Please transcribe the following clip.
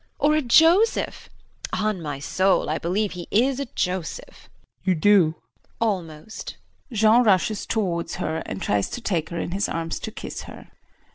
Or a Joseph! On my soul, I believe he is a Joseph! JEAN. You do? JULIE. Almost. [Jean rushes towards her and tries to take her in his arms to kiss her.